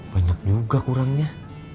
banyak juga kurangnya